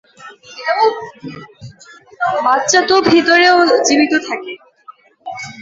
বাচ্চা তো ভিতরেও জীবিত থাকে।